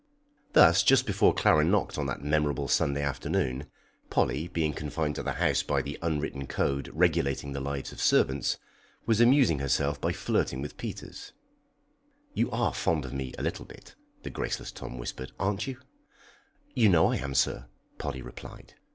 Thus, just before Clara knocked on that memorable Sunday afternoon, Polly, being confined to the house by the unwritten code regulating the lives of servants, was amusing herself by flirting with Peters. [Illustration: "CARRYING ON WITH POLLY."] "You are fond of me a little bit," the graceless Tom whispered, "aren't you?" "You know I am, sir," Polly replied.